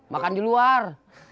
makan di luar